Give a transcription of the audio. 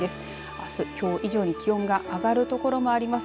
あす、きょう以上に気温が上がる所もあります。